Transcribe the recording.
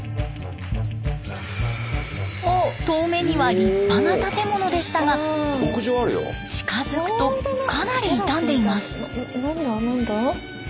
遠目には立派な建物でしたが近づくとかなり傷んでいます。